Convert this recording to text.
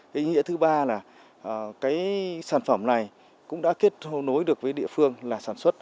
cái ý nghĩa thứ ba là cái sản phẩm này cũng đã kết nối được với địa phương là sản xuất